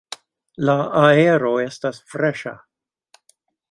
La aero estas freŝa.